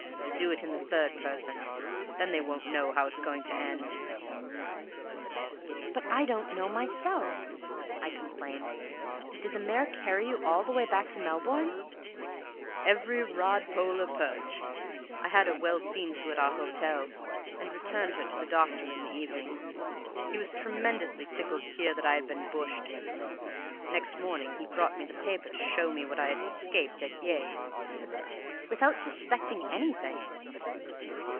Do it in the third person, and they won't know how it's going to end." "But I don't know myself," I complained. "Did the mare carry you all the way back to Melbourne?" "Every rod, pole or perch! I had her well seen to at our hotel, and returned her to the doctor in the evening. He was tremendously tickled to hear that I had been bushed; next morning he brought me the paper to show me what I had escaped at Yea!" "Without suspecting anything?"